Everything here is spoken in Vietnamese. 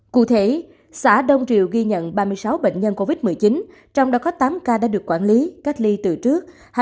cụ thể xã đông triều ghi nhận ba mươi sáu bệnh nhân covid một mươi chín trong đó có tám ca đã được quản lý cách ly từ trước